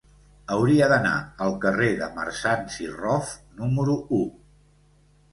Hauria d'anar al carrer de Marsans i Rof número u.